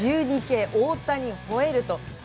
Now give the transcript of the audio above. １２Ｋ、大谷ほえると。